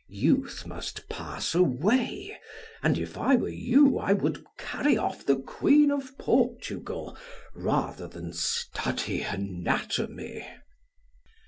Youth must pass away, and if I were you I would carry off the queen of Portugal rather than study anatomy."